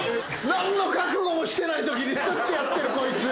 何の覚悟もしてないときにすっとやってんこいつ。